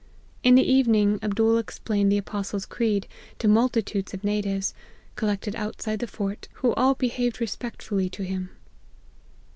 In the evening Abdool explained the Apostle's creed, to multitudes of natives, collected outside the fort, who all behaved respectfully to him.